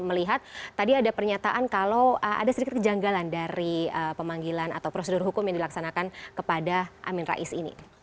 melihat tadi ada pernyataan kalau ada sedikit kejanggalan dari pemanggilan atau prosedur hukum yang dilaksanakan kepada amin rais ini